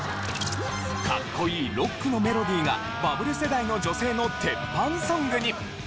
かっこいいロックのメロディーがバブル世代の女性の鉄板ソングに。